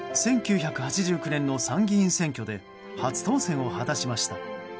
１９８９年の参議院選挙で初当選を果たしました。